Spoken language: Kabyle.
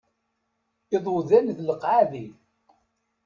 Iḍudan d leqɛadi.